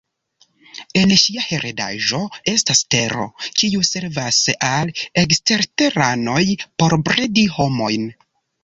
En ŝia heredaĵo estas Tero, kiu servas al eksterteranoj por bredi homojn.